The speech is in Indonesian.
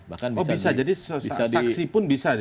oh bisa jadi saksi pun bisa